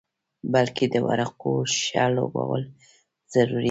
بلکې د ورقو ښه لوبول ضروري دي.